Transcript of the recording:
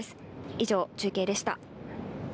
以上、中継でした。